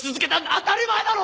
当たり前だろ！